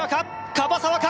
樺沢か？